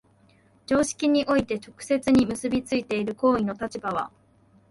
常識において直接に結び付いている行為の立場は、